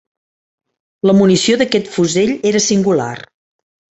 La munició d'aquest fusell era singular.